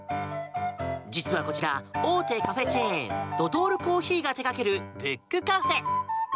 実はこちら大手カフェチェーンドトールコーヒーが手掛けるブックカフェ。